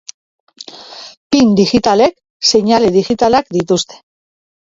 Pin digitalek seinale digitalak dituzte.